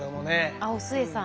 あっお壽衛さん。